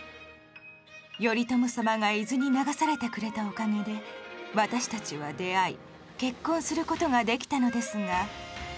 頼朝様が伊豆に流されてくれたおかげで私たちは出会い結婚する事ができたのですが。